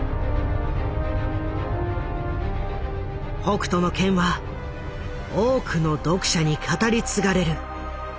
「北斗の拳」は多くの読者に語り継がれる伝説となった。